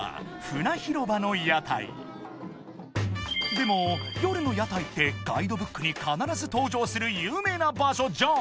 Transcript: ［でも夜の屋台ってガイドブックに必ず登場する有名な場所じゃん。